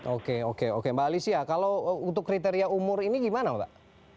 oke oke oke mbak alicia kalau untuk kriteria umur ini gimana mbak